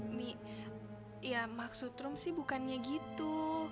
umi ya maksud lo sih bukannya gitu